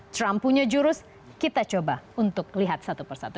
trump punya jurus kita coba untuk lihat satu persatu